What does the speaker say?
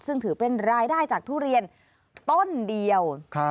ซึ่งถือเป็นรายได้จากทุเรียนต้นเดียว